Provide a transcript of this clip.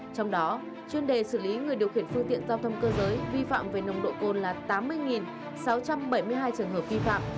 trong đó chuyên đề xử lý người điều khiển phương tiện giao thông cơ giới vi phạm về nồng độ cồn là tám mươi sáu trăm bảy mươi hai trường hợp vi phạm